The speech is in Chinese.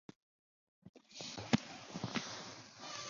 早期的电动扶梯的梯级以木制成。